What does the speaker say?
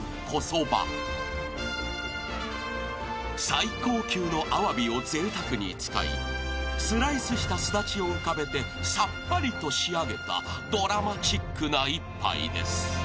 ［最高級のアワビをぜいたくに使いスライスしたスダチを浮かべてさっぱりと仕上げたドラマチックな１杯です］